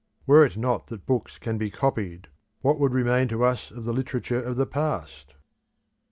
Were it not that books can be copied, what would remain to us of the literature of the past?